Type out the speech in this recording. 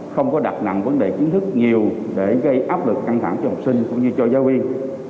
không có đặt nặng vấn đề kiến thức nhiều để gây áp lực căng thẳng cho học sinh cũng như cho giáo viên